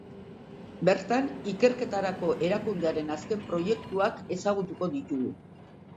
Bertan, ikerketarako erakundearen azken proiektuak ezagutuko ditugu.